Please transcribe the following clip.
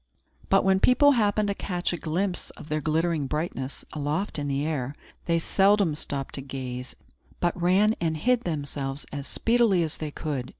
But when people happened to catch a glimpse of their glittering brightness, aloft in the air, they seldom stopped to gaze, but ran and hid themselves as speedily as they could.